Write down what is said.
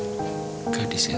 agak traffic kimia emang